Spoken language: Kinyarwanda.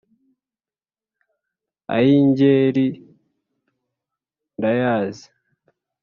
Ay' Ingeri ndayazi,